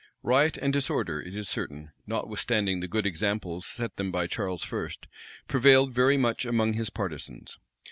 [*] Riot and disorder, it is certain, notwithstanding the good example set them by Charles I., prevailed very much among his partisans.